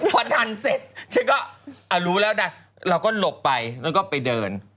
พอดันเสร็จฉันก็รู้แล้วนะเราก็หลบไปแล้วก็ไปเดิน